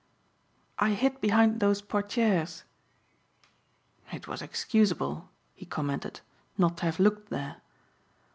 "I hid behind those portières." "It was excusable," he commented, "not to have looked there."